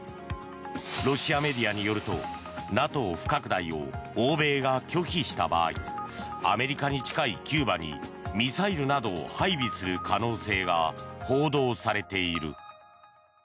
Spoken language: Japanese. ロシアメディアによるとＮＡＴＯ不拡大を欧米が拒否した場合アメリカに近いキューバにミサイルなどを配備する可能性が報道されている。